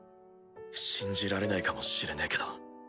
信じられないかもしれねえけど。